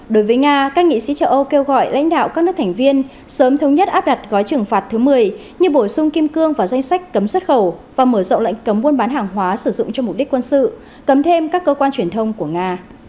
đối với nga các nghị sĩ châu âu kêu gọi lãnh đạo các nước thành viên sớm thống nhất áp đặt gói trừng phạt thứ một mươi như bổ sung kim cương vào danh sách cấm xuất khẩu và mở rộng lệnh cấm buôn bán hàng hóa sử dụng cho mục đích quân sự cấm thêm các cơ quan truyền thông của nga